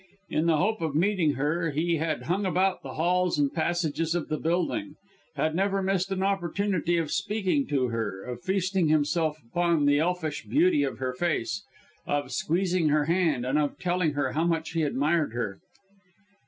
In the hope of meeting her, he had hung about the halls and passages of the building; had never missed an opportunity of speaking to her, of feasting himself on the elfish beauty of her face, of squeezing her hand, and of telling her how much he admired her.